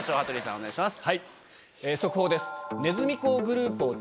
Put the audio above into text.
お願いします。